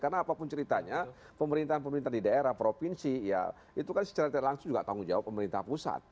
karena apapun ceritanya pemerintahan pemerintahan di daerah provinsi ya itu kan secara langsung juga tanggung jawab pemerintah pusat